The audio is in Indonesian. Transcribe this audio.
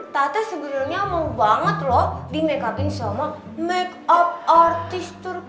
tante sebenernya mau banget loh di make up in sama make up artist terkenal